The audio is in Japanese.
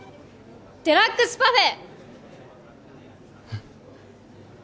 デラックスパフェ！